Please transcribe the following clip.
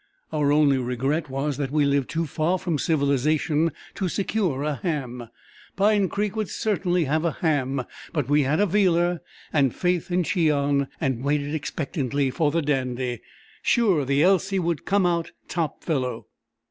Our only regret was that we lived too far from civilisation to secure a ham. Pine Creek would certainly have a ham; but we had a Vealer and faith in Cheon, and waited expectantly for the Dandy, sure the Elsey would "come out top fellow."